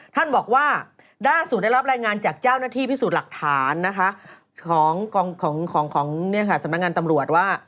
ท่านบอกว่าล่าสุดได้รับรายงานจากเจ้าหน้าที่พิสูจน์หลักฐานนะคะของสำนักงานตำรวจว่า